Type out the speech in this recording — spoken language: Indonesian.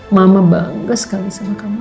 mama bangga sekali sama kamu